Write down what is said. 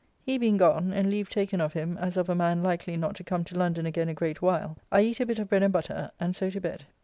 He being gone, and leave taken of him as of a man likely not to come to London again a great while, I eat a bit of bread and butter, and so to bed.